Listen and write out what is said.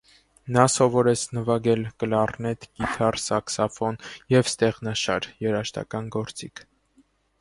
Նա սովորեց նվագել կլառնետ, կիթառ, սաքսոֆոն և ստեղնաշար (երաժշտական գործիք)։